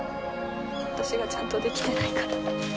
私がちゃんとできてないから。